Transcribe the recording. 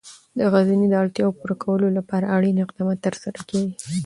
د غزني د اړتیاوو پوره کولو لپاره اړین اقدامات ترسره کېږي.